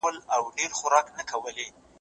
ميرمني د خاوند خبره نه ده رد کړې.